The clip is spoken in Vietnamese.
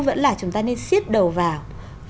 vẫn là chúng ta nên xiết đầu vào